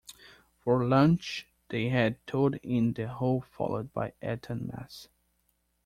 For lunch, they had toad-in-the-hole followed by Eton mess